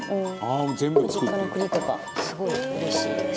実家の栗とかすごいうれしいです。